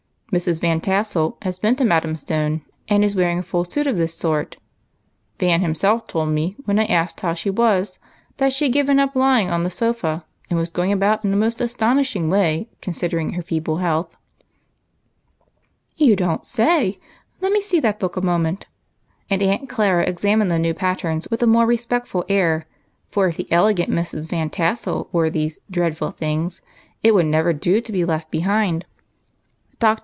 Mrs. Van Tassel has been to Madame Stone, and is wearing a full suit of this sort. Van himself told me, when I asked how she was, that she had given up lying on the sofa, and was going about in a most astonishing way, considering her feeble health." " You don't say so ! Let me see that book a mo ment," and Aunt Clara examined the new patterns Avith a more respectful air, for if the elegant Mrs. Van Tassel wore these " dreadful things " it would never do to be left behind, in sj^ite of her prejudices. Dr.